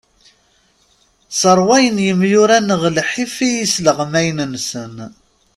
Sserwayen yemyurar-nneɣ lḥif i yisleɣmayen-nsen.